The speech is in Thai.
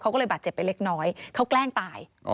เขาก็เลยบาดเจ็บไปเล็กน้อยเขาแกล้งตาย